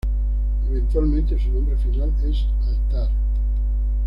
Eventualmente su nombre final es Altar.